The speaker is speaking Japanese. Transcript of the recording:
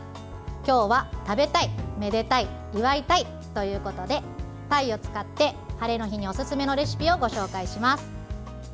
今日は食べたい、めでたい祝いたいということでたいを使ってハレの日におすすめのレシピをご紹介します。